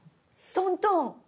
トントン。